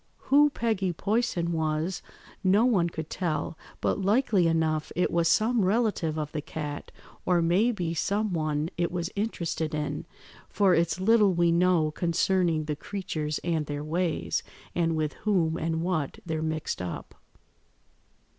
Who Peggy Poyson was no one could tell, but likely enough it was some relative of the cat, or may be some one it was interested in, for it's little we know concerning the creatures and their ways, and with whom and what they're mixed up."